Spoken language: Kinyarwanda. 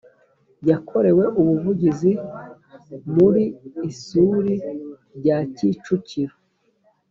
yakorewe ubuvugizi muri isuri rya kicukiro.